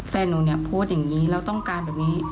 แฟนหนูพูดอย่างนี้แล้วต้องการแบบนี้